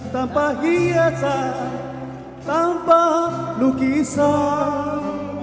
tanpa hiasan tanpa lukisan